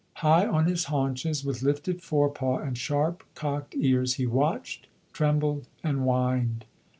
High on his haunches, with lifted forepaw and sharp cocked ears, he watched, trembled and whined.